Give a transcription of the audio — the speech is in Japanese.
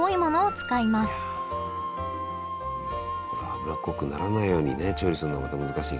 これ脂っこくならないようにね調理するのがまた難しいけど。